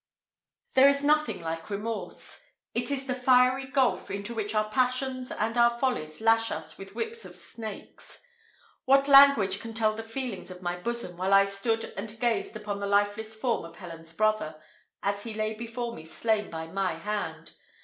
There is nothing like remorse: it is the fiery gulf into which our passions and our follies lash us with whips of snakes. What language can tell the feelings of my bosom, while I stood and gazed upon the lifeless form of Helen's brother, as he lay before me slain by my hand?